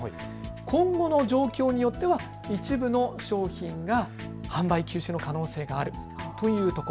今後の状況によっては一部の商品が販売休止の可能性があるというところ。